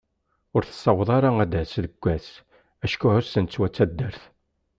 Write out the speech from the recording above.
Ur tessaweḍ ara ad d-tass deg wass acku ɛussen-tt wat taddart.